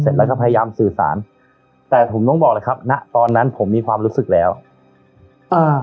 แล้วก็พยายามสื่อสารแต่ผมต้องบอกเลยครับณตอนนั้นผมมีความรู้สึกแล้วอ่า